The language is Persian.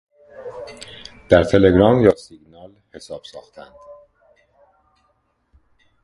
در تلگرام یا سیگنال حساب ساختند